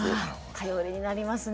頼りになりますね。